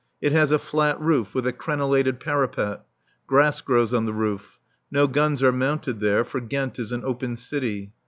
It has a flat roof with a crenelated parapet. Grass grows on the roof. No guns are mounted there, for Ghent is an open city.